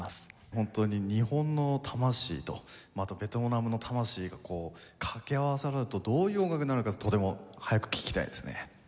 本当に日本の魂とまたベトナムの魂がこう掛け合わされるとどういう音楽になるのかとても早く聴きたいですね。